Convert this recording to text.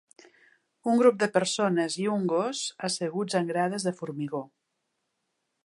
Un grup de persones i un gos asseguts en grades de formigó.